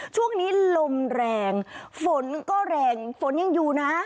ช่วงนี้ลมแรงฝนก็แรงฝนยังอยู่นะ